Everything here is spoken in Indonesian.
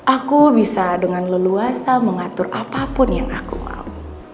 aku bisa dengan leluasa mengatur apapun yang aku mau